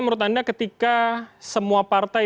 menurut anda ketika semua partai